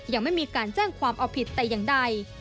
ยังไม่มีการแจ้งความเอาผิดแต่อย่างใด